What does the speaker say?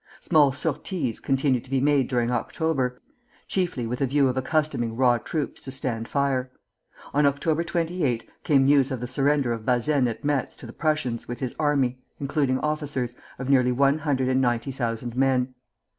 Small sorties continued to be made during October, chiefly with a view of accustoming raw troops to stand fire. On October 28, came news of the surrender of Bazaine at Metz to the Prussians with his army (including officers) of nearly one hundred and ninety thousand men.